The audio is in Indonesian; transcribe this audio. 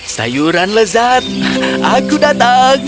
sayuran lezat aku datang